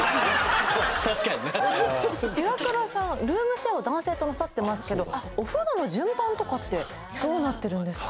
確かになイワクラさんはルームシェアを男性となさってますけどお風呂の順番とかってどうなってるんですか？